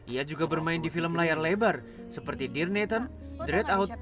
ia juga bermain di film layar lebar seperti dear nathan dread out